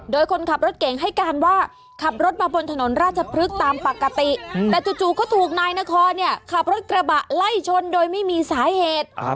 โดยคนขับรถเก่งให้การว่าขับรถมาบนถนนราชพฤกษ์ตามปกติแต่จู่ก็ถูกนายนครเนี่ยขับรถกระบะไล่ชนโดยไม่มีสาเหตุ